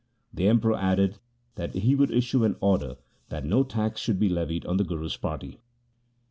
The Emperor added that he would issue an order that no tax should be levied on the Guru's party.